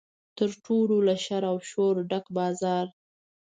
تر ټولو له شر او شوره ډک بازار.